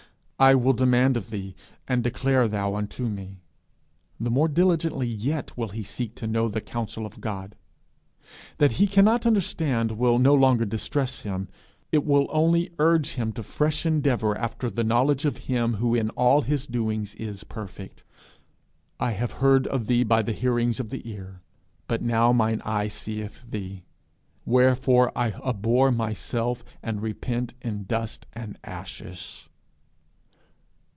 'I will demand of thee, and declare thou unto me.' The more diligently yet will he seek to know the counsel of God. That he cannot understand will no longer distress him; it will only urge him to fresh endeavour after the knowledge of him who in all his doings is perfect. 'I have heard of thee by the hearing of the ear: but now mine eye seeth thee. Wherefore I abhor myself, and repent in dust and ashes.'